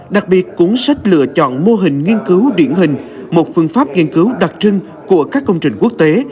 đặc biệt cuốn sách lựa chọn mô hình nghiên cứu điển hình một phương pháp nghiên cứu đặc trưng của các công trình quốc tế